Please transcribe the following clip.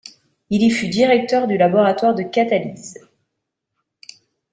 Il y fut directeur du laboratoire de catalyse.